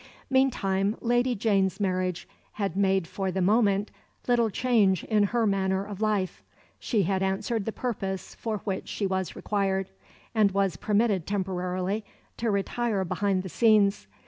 Meantime Lady Jane's marriage had made for the moment little change in her manner of life. She had answered the purpose for which she was required, and was permitted temporarily to retire behind the scenes.